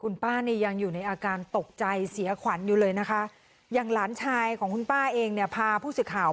เลยในะคะยังล้านชายของคุณป้าเองเนี่ยพาผู้สิทธิ์ข่าว